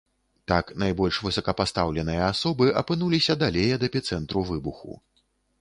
Так найбольш высокапастаўленыя асобы апынуліся далей ад эпіцэнтру выбуху.